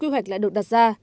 quy hoạch lại được đặt ra